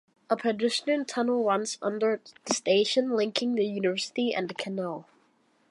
A pedestrian tunnel runs under the station linking the university and the canal.